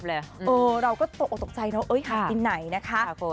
อะเราก็ตกใจเลยหายไปไหนคะ